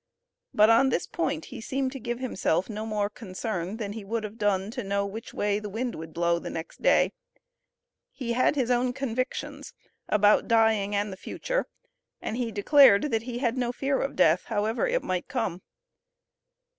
But on this point he seemed to give himself no more concern than he would have done to know which way the wind would blow the next day. He had his own convictions about dying and the future, and he declared, that he had "no fear of death," however it might come.